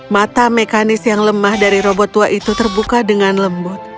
mata mekanis yang lemah dari robot tua itu terbuka dengan lembut